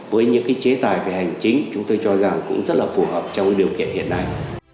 với những chế tài về hành chính chúng tôi cho rằng cũng rất là phù hợp trong điều kiện hiện nay